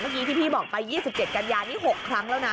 เมื่อกี้ที่พี่บอกไป๒๗กันยานี่๖ครั้งแล้วนะ